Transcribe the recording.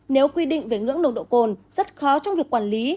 nếu quy định về ngưỡng nông độ côn rất khó trong việc quản lý